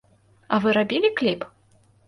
А вы рабілі кліп?